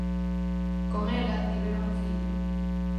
Con ela tivera un fillo.